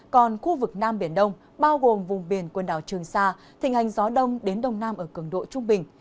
còn khu vực nam biển đông bao gồm vùng biển quần đảo trường sa thịnh hành gió đông đến đông nam ở cường độ trung bình